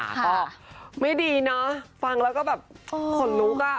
ก็ไม่ดีเนอะฟังแล้วก็แบบขนลุกอ่ะ